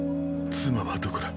妻はどこだ。